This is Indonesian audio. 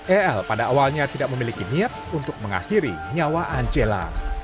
el pada awalnya tidak memiliki niat untuk mengakhiri nyawa angela